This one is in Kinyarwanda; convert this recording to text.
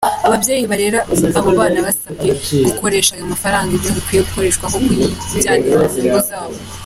Ababyeyi barera abo bana basabwe gukoresha ayo mafaranga ibyo akwiye gukora aho kuyijyaniramuyungu zabo.